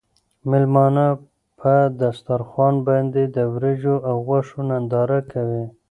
مېلمانه په دسترخوان باندې د وریجو او غوښو ننداره کوي.